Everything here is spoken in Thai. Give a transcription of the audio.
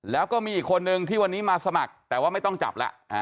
แล้วก็มีอีกคนนึงที่วันนี้มาสมัครแต่ว่าไม่ต้องจับแล้ว